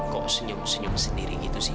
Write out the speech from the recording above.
kok senyum senyum sendiri gitu sih